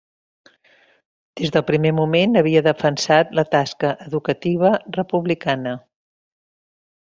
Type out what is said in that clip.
Des del primer moment havia defensat la tasca educativa republicana.